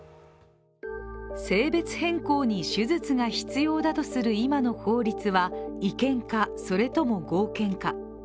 性別変更に手術が必要だとする今の法律は違憲か、それとも合憲か。